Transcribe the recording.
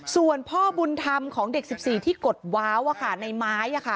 ส่วนพ่อบุญธรรมของเด็ก๑๔ที่กดว้าวในไม้